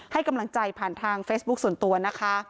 ให้กำลังใจผ่านทางเฟซบุ๊คส่วนตัวนะคะ